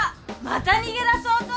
また逃げだそうと！